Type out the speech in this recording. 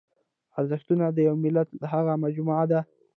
ارزښتونه د یوه ملت هغه مجموعه ده.